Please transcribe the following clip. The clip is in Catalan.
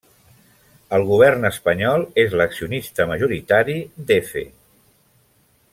El Govern espanyol és l'accionista majoritari d'Efe.